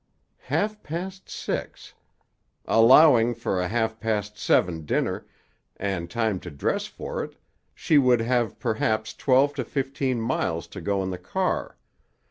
"Half past six. Allowing for a half past seven dinner, and time to dress for it, she would have perhaps twelve to fifteen miles to go in the car.